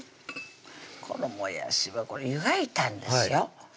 このもやしはこれ湯がいたんですよ